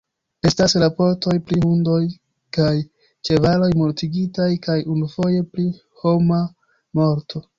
Estas raportoj pri hundoj kaj ĉevaloj mortigitaj kaj unufoje pri homa morto.